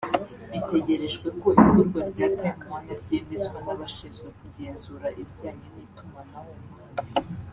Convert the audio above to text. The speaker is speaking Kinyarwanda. Bitegerejwe ko igurwa rya Time Warner ryemezwa n’abashinzwe kugenzura ibijyanye n’itumanaho muri Amerika